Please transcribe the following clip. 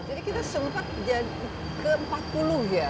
jadi kita sempat ke empat ya